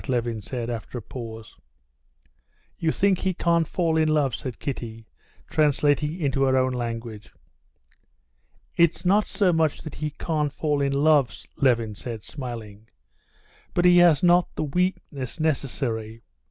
Levin said, after a pause. "You think he can't fall in love," said Kitty, translating into her own language. "It's not so much that he can't fall in love," Levin said, smiling, "but he has not the weakness necessary....